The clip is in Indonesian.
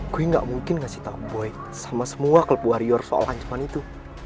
gue gak mungkin ngasih tahu boy sama semua klub warrior soal ancaman itu